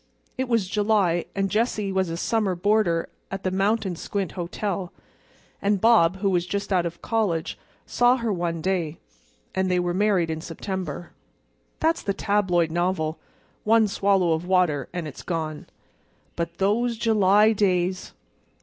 It was July, and Jessie was a summer boarder at the Mountain Squint Hotel, and Bob, who was just out of college, saw her one day—and they were married in September. That's the tabloid novel—one swallow of water, and it's gone. But those July days!